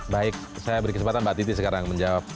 baik saya beri kesempatan mbak titi sekarang menjawab